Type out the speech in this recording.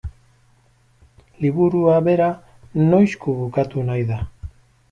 Liburua bera noizko bukatu nahi da?